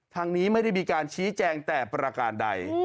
ทางนี้ไม่ได้มีการชี้แจงแต่ประการใด